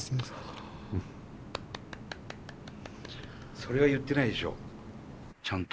それは言ってないでしょちゃんと。